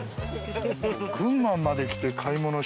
群馬まで来て買い物した。